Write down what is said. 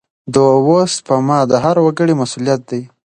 د اوبو سپما د هر وګړي مسوولیت دی.